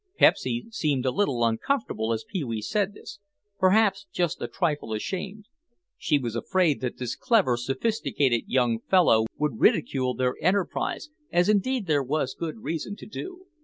Pepsy seemed a bit uncomfortable as Pee wee said this, perhaps just a trifle ashamed. She was afraid that this clever, sophisticated young fellow would ridicule their enterprise, as indeed there was good reason to do.